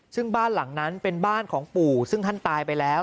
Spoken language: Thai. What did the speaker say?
ซึ่งบ้านหลังนั้นเป็นบ้านของปู่ซึ่งท่านตายไปแล้ว